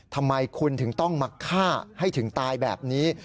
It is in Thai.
ทำไมคุณถึงต้องมาฆ่าให้ถึงตายแบบนี้